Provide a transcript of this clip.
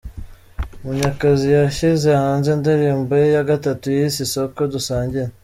Munyakazi yashyize hanze indirimbo ye ya gatatu yise ’Isoko Dusangiye’.